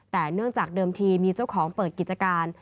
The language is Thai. แต่เนื่องจากเดิมทีมีเจ้าของเปิดกิจการ